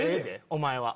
お前は。